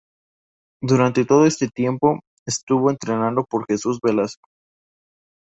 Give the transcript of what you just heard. Durante todo este tiempo, estuvo entrenado por Jesús Velasco.